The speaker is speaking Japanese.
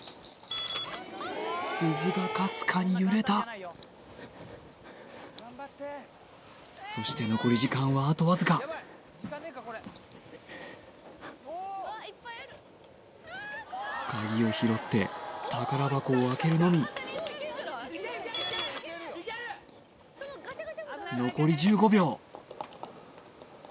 鈴がかすかに揺れたそして残り時間はあとわずか鍵を拾って宝箱を開けるのみ残り１５秒